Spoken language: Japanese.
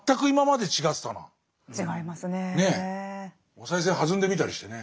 お賽銭はずんでみたりしてね。